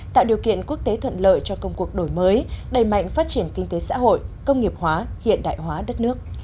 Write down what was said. tạo điều kiện quốc tế thuận lợi cho công cuộc đổi mới đầy mạnh phát triển kinh tế xã hội công nghiệp hóa hiện đại hóa đất nước